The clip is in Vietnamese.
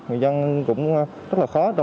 người dân cũng rất là khó